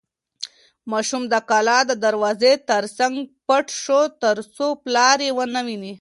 ماشوم د کلا د دروازې تر څنګ پټ شو ترڅو پلار یې ونه ویني.